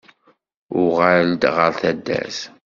Uɣal-d ɣer taddart.